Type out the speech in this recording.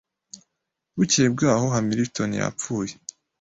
Bukeye bwaho, Hamilton yapfuye.